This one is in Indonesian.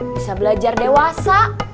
bisa belajar dewasa